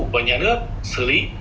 và nhà nước xử lý